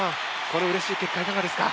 このうれしい結果いかがですか？